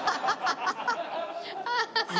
ハハハハ！